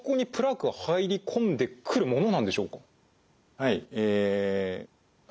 はい。